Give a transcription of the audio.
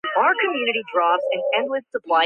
გავრცელებულია ხმელთაშუა ზღვაში.